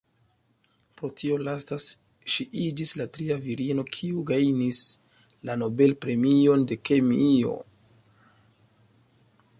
Pro tio lasta ŝi iĝis la tria virino kiu gajnis la Nobel-premion de kemio.